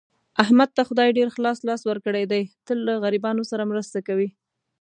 احمد ته خدای ډېر خلاص لاس ورکړی دی، تل له غریبانو سره مرسته کوي.